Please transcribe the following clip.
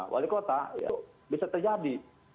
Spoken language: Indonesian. wali kota bisa terjadi